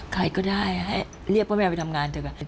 ใครก็ได้ให้เรียกว่าแมวไปทำงานเถอะแบบ